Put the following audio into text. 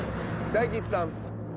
大吉さん。